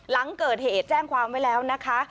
หลังเกิดเหตุแจ้งความไว้แล้วนะคะ